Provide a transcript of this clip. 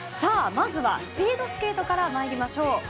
まずはスピードスケートからまいりましょう。